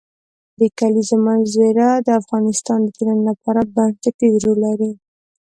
د کلیزو منظره د افغانستان د ټولنې لپاره بنسټيز رول لري.